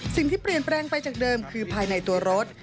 สิ่งที่เปลี่ยนแปลงไปจากเดิมคือภายในตัวรถ